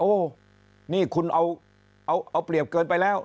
โอ้โหนี่คุณเอาเปรียบเกินไปแล้ว